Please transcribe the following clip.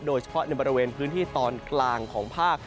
โดยเฉพาะในบริเวณพื้นที่ตอนกลางของภาค